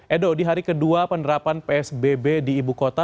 edo di hari kedua penerapan psbb di ibu kota